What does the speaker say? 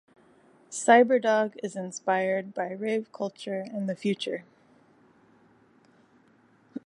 Cyberdog is inspired by rave culture and the future.